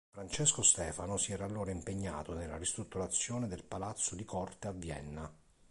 Francesco Stefano si era allora impegnato nella ristrutturazione del Palazzo di corte a Vienna.